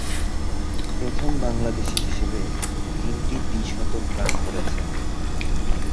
প্রথম বাংলাদেশী হিসেবে তিনটি দ্বি-শতক রান করেছেন।